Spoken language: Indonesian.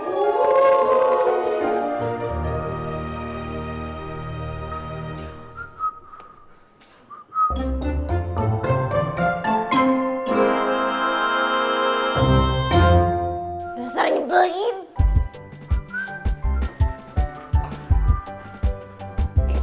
udah sering nyebelin